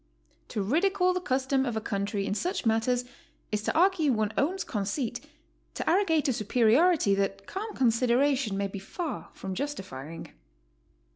To ridicule the custom of a country in such matters is to argue one's own conceit, to arrogate a superiority that calm consideration may be far from justifying.